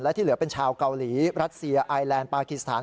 และที่เหลือเป็นชาวเกาหลีรัสเซียไอแลนด์ปากิสถาน